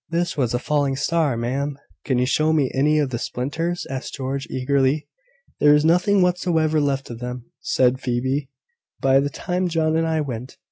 "This was a falling star, ma'am." "Can you show me any of the splinters?" asked George, eagerly. "There was nothing whatsoever left of them," said Phoebe, "by the time John and I went.